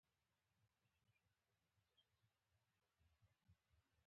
د يوې مياشتي په موده کي بشپړي سي.